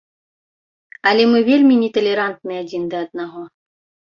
Але мы вельмі неталерантныя адзін да аднаго.